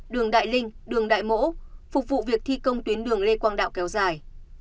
đường đại linh đường đại mỗ phục vụ việc thi công tuyến đường lê quang đạo kéo dài